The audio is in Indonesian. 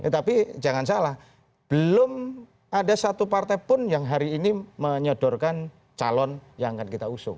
tapi jangan salah belum ada satu partai pun yang hari ini menyodorkan calon yang akan kita usung